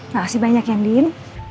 makasih banyak ya din